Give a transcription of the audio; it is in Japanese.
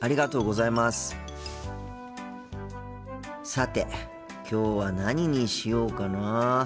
さてきょうは何にしようかな。